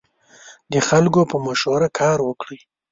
د خلکو په مشوره کار وکړئ.